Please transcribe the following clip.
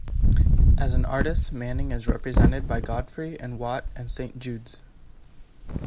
As an artist Manning is represented by Godfrey and Watt, and Saint Judes.